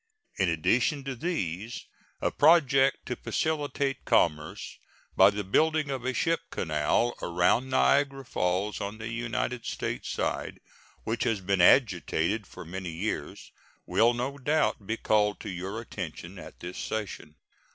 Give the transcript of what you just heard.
In addition to these, a project to facilitate commerce by the building of a ship canal around Niagara Falls, on the United States side, which has been agitated for many years, will no doubt be called to your attention at this session.